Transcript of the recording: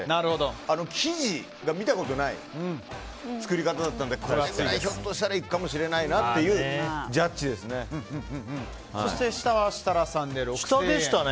あの生地が見たことない作り方だったのでこれくらいひょっとしたらいくかもしれないなっていうそして下は下でしたね。